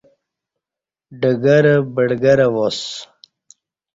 ڈگہ رہ بڈگہ رہ واس